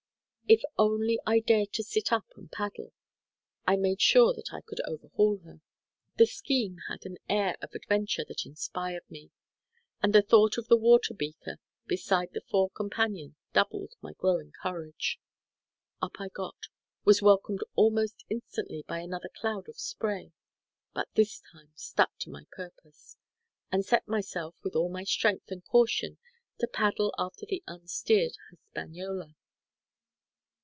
If only I dared to sit up and paddle, I made sure that I could overhaul her. The scheme had an air of adventure that inspired me, and the thought of the water beaker beside the fore companion doubled my growing courage. Up I got, was welcomed almost instantly by another cloud of spray, but this time stuck to my purpose; and set myself, with all my strength and caution, to paddle after the unsteered Hispaniola.